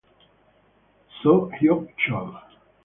So Hyok-chol